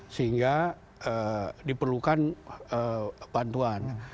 sehingga diperlukan bantuan